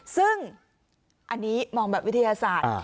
ซึ่งอันนี้มองแบบวิทยาศาสตร์